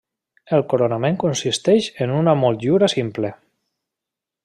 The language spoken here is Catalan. El coronament consisteix en una motllura simple.